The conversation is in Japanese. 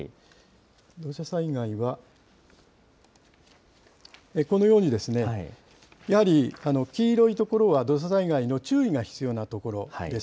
土砂災害は、このようにやはり、黄色い所は土砂災害の注意が必要な所です。